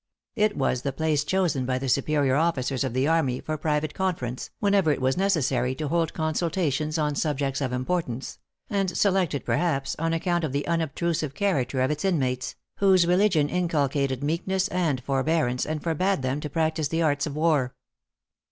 It was the place chosen by the superior officers of the army for private conference, whenever it was necessary to hold consultations on subjects of importance; and selected, perhaps, on account of the unobtrusive character of its inmates, whose religion inculcated meekness and forbearance, and forbade them to practice the arts of war.